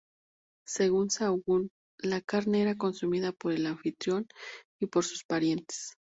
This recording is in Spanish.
Según Sahagún, la carne era consumida por el anfitrión y por sus parientes.